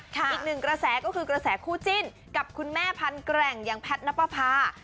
อีกหนึ่งกระแสก็คือกระแสคู่จิ้นกับคุณแม่พันแกร่งอย่างแพทย์นับประพา